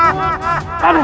padung padung padung